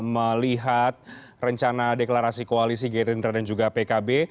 melihat rencana deklarasi koalisi gerindra dan juga pkb